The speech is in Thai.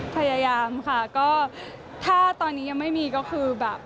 พยายามค่ะก็ถ้าตอนนี้ยังไม่มีก็คือแบบ